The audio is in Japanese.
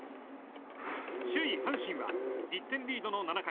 首位、阪神は１点リードの７回。